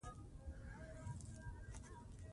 د مېلمنو لپاره ښه مېلمه پالنه وکړئ.